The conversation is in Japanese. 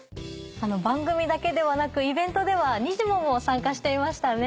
番組だけではなくイベントでは「にじモ」も参加していましたよね。